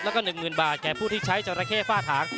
แล้วก็๑๐๐๐บาทแก่ผู้ที่ใช้จราเข้ฝ้าถาง